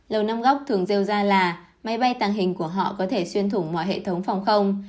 lầu năm góc thường rêu ra là máy bay tàng hình của họ có thể xuyên thủng mọi hệ thống phòng không